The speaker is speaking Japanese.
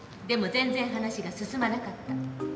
でも全然話が進まなかった。